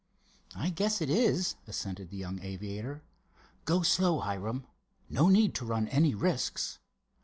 "I guess it is," assented the young aviator; "go slow, Hiram. No need to run any risks."